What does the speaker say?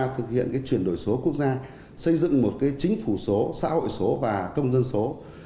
thực hiện chuyển đổi số quốc gia xây dựng một chính phủ số xã hội số và công dân số